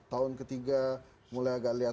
tahun ke tiga mulai agak lewat